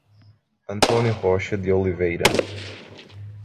Antônio Rocha de Oliveira